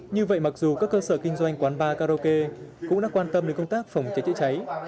như vậy mặc dù các cơ sở kinh doanh quán bar karaoke cũng đã quan tâm đến công tác phòng cháy chữa cháy